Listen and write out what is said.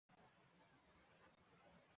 这名字被公司内部及公众广泛被批评。